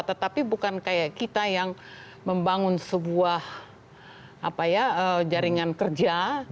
tetapi bukan kayak kita yang membangun sebuah jaringan kerja